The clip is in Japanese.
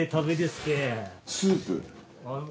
スープ？